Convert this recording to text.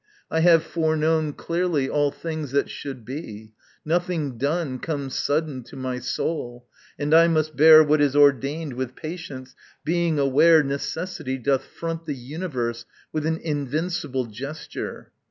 I have foreknown Clearly all things that should be; nothing done Comes sudden to my soul; and I must bear What is ordained with patience, being aware Necessity doth front the universe With an invincible gesture.